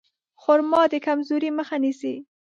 خرما د کمزورۍ مخه نیسي.